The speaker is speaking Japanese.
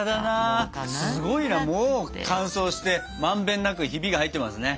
すごいなもう乾燥してまんべんなくヒビが入ってますね。